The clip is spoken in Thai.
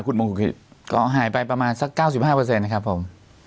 คุณหมอคุณคิดก็หายไปประมาณสักเก้าสิบห้าเปอร์เซ็นต์ครับผม